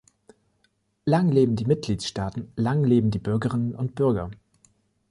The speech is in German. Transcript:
Lang leben die Mitgliedstaaten, lang leben die Bürgerinnen und Bürger!